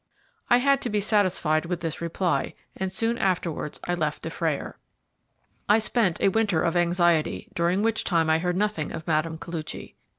I had to be satisfied with this reply, and soon afterwards I left Dufrayer. I spent a winter of anxiety, during which time I heard nothing of Mme. Koluchy.